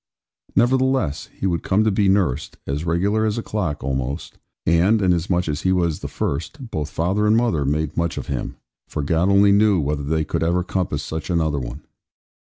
Nevertheless, he would come to be nursed, as regular as a clock, almost; and, inasmuch as he was the first, both father and mother made much of him; for God only knew whether they could ever compass such another one.